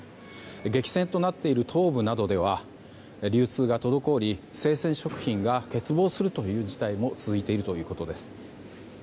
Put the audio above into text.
激戦となっている東部などでは流通が滞り生鮮食品が欠乏する事態も続いているということです。